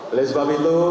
oleh sebab itu